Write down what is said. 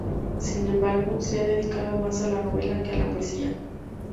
Sin embargo, se ha dedicado más a la novela que a la poesía.